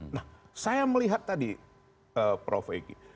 nah saya melihat tadi prof egy